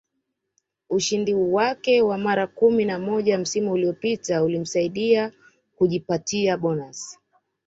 Ushindi wake wa mara kumi na moja msimu uliopita ulimsaidia kujipatia bonasi